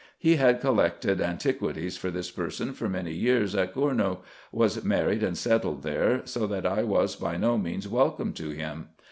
He had collected antiquities for this person for many years at Gournou, was married and settled there, so that I was by no means welcome to him.